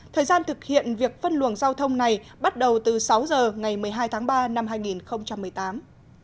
thời gian thực hiện việc phân luồng giao thông này bắt đầu từ sáu giờ ngày một mươi hai tháng ba năm hai nghìn một mươi tám